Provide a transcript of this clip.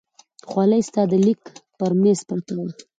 خولۍ ستا د لیک پر مېز پرته وه.